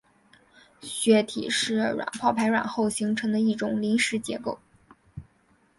血体是卵泡排卵后形成的一种临时结构。